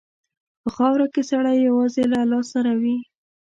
په خاوره کې سړی یوازې له الله سره وي.